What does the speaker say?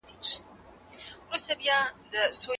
هغه هيڅکله خپل کارونه نه لیست کوي او تل بې نظمه وي.